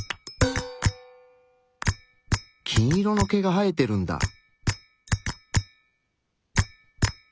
金色の毛が生えてるんだ！